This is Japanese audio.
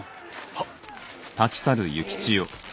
はっ！